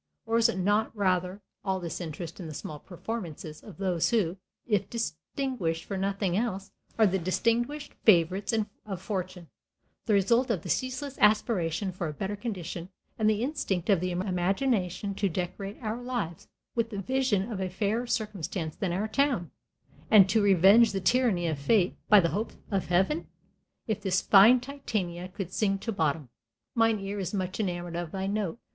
Or is it not rather all this interest in the small performances of those who, if distinguished for nothing else, are the distinguished favorites of fortune the result of the ceaseless aspiration for a better condition, and the instinct of the imagination to decorate our lives with the vision of a fairer circumstance than our own, and to revenge the tyranny of fate by the hope of heaven? If the fine Titania could sing to Bottom, "Mine ear is much enamored of thy note